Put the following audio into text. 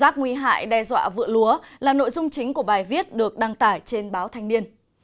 rác nguy hại đe dọa vựa lúa là nội dung chính của bài viết được đăng tải trên báo thanh niên